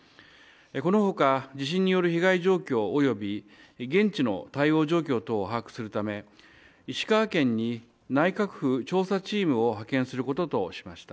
このほか、地震による被害状況及び現地の対応状況等を把握するため石川県に内閣府調査チームを派遣することとしました。